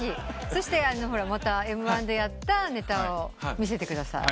そしてまたＭ−１でやったネタを見せてください。